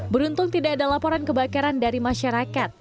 beruntung tidak ada laporan kebakaran dari masyarakat